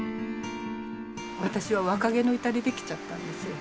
私は若気の至りで来ちゃったんですよ。